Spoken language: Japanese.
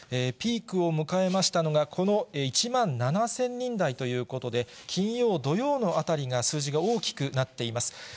ピークを迎えましたのが、この１万７０００人台ということで、金曜、土曜のあたりが数字が大きくなっています。